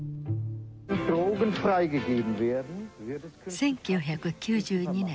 １９９２年。